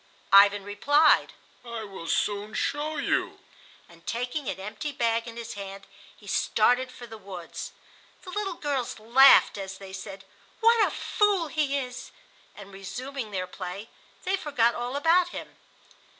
Ivan replied, "I will soon show you," and, taking an empty bag in his hand, he started for the woods. The little girls laughed as they said, "What a fool he is!" and resuming their play they forgot all about him.